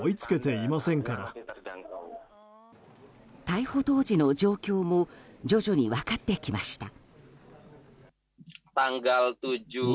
逮捕当時の状況も徐々に分かってきました。